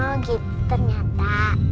oh gitu ternyata